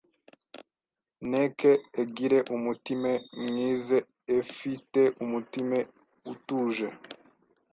neke egire umutime mwize, efi te umutime utuje